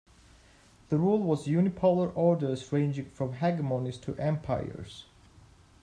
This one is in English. The rule was unipolar orders ranging from hegemonies to empires.